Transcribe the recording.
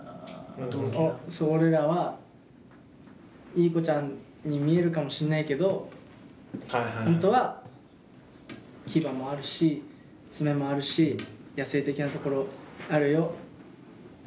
俺らはいい子ちゃんに見えるかもしんないけど本当は牙もあるし爪もあるし野性的なところあるよ。